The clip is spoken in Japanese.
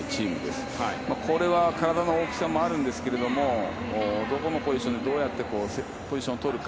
これは体の大きさもあるんですけどどこのポジションでどうポジションを取るか。